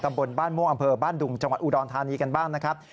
บนบ้านม่วงอำเภอบ้านดุงจังหวัดอุดรธานีกันบ้างนะครับ